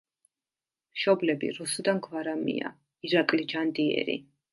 მშობლები: რუსუდან გვარამია, ირაკლი ჯანდიერი.